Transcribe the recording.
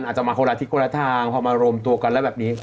อาจจะมาคนละทิศคนละทางพอมารวมตัวกันแล้วแบบนี้